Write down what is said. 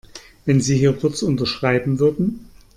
Wenn Sie hier kurz unterschreiben würden.